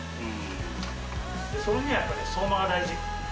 それにはやっぱ、相馬が大事。